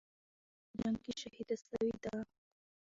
ملالۍ په جنگ کې شهیده سوې ده.